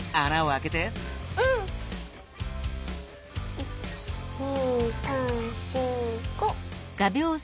１２３４５。